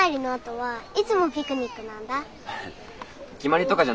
はい。